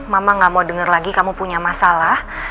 mama gak mau dengar lagi kamu punya masalah